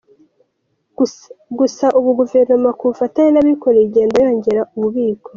Gusa ubu Guverinoma ku bufatanye n’abikorera igenda yongera ububiko.